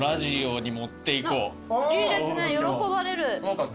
いいですね喜ばれる。